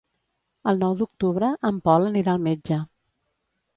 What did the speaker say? El nou d'octubre en Pol anirà al metge.